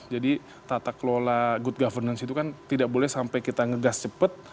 jadi tata kelola good governance itu kan tidak boleh sampai kita ngegas cepat